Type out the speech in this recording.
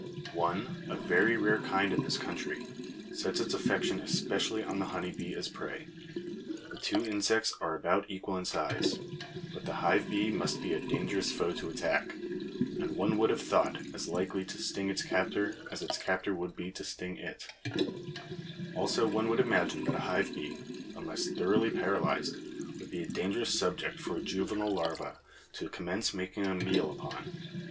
One, a very rare kind in this country, sets its affection especially on the honey bee as a prey; the two insects are about equal in size, but the hive bee must be a dangerous foe to attack, and one would have thought as likely to sting its captor as its captor would be to sting it; also one would imagine that a hive bee, unless thoroughly paralyzed, would be a dangerous subject for a juvenile larva to commence making a meal upon!